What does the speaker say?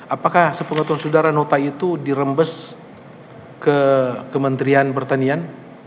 apakah sepengetahuan saudara nota itu dirembes ke kementerian pertanian